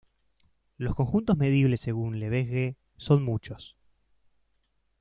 Los conjuntos medibles según Lebesgue son muchos.